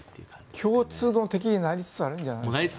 共通の敵になりつつあるんじゃないですか。